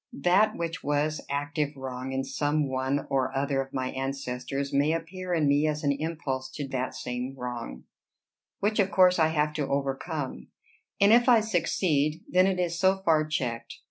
That which was active wrong in some one or other of my ancestors, may appear in me as an impulse to that same wrong, which of course I have to overcome; and if I succeed, then it is so far checked.